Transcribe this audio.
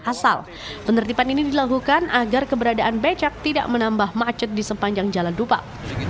asal penertiban ini dilakukan agar keberadaan becak tidak menambah macet di sepanjang jalan dupak